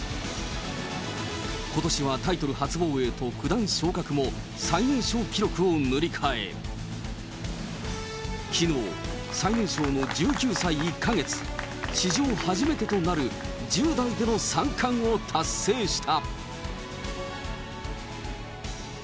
ことしはタイトル初防衛と九段昇格も最年少記録を塗り替え、きのう、最年少の１９歳１か月、史上初めてとなる１０代での三冠を達成した。